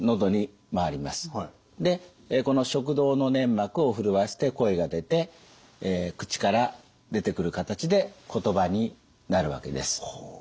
でこの食道の粘膜を震わせて声が出て口から出てくる形で言葉になるわけです。